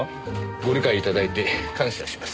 ご理解頂いて感謝します。